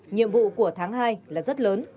nhiệm vụ của tháng hai là rất lớn